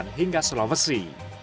dan hingga sulawesi